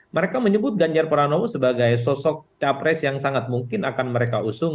mereka menyebut ganjar pranowo sebagai sosok capres yang sangat mungkin akan mereka usung